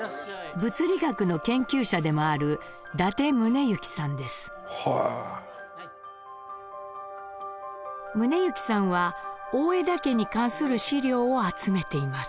物理学の研究者でもある宗行さんは大條家に関する資料を集めています。